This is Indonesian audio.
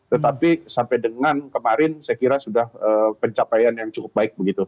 tetapi sampai dengan kemarin saya kira sudah pencapaian yang cukup baik begitu